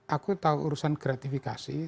aku tahu urusan gratifikasi